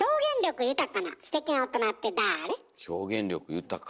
表現力豊か。